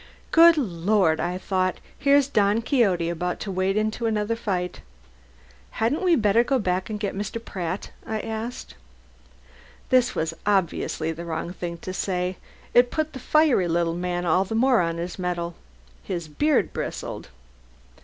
Good Lord! I thought, here's Don Quixote about to wade into another fight. "Hadn't we better go back and get Mr. Pratt?" I asked. This was obviously the wrong thing to say. It put the fiery little man all the more on his mettle. His beard bristled.